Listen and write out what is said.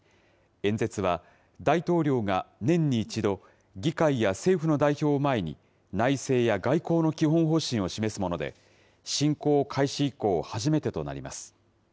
演説は、大統領が年に１度、議会や政府の代表を前に、内政や外交の基本方針を示すもので、侵攻開始以降、初めてとなります。